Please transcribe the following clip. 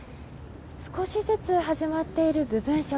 少しずつ始まっている部分食。